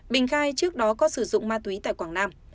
bình khai trước đó có sử dụng ma túy tại quảng nam